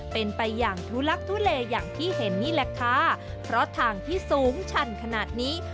เป็นไปอย่างทุลักทุเลอย่างที่เห็นนี่แหละค่ะเพราะทางที่สูงชันขนาดนี้